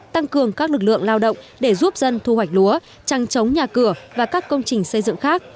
tăng cường các lực lượng lao động để giúp dân thu hoạch lúa trăng chống nhà cửa và các công trình xây dựng khác